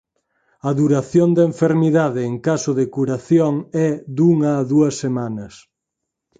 A duración da enfermidade en caso de curación é dunha a dúas semanas.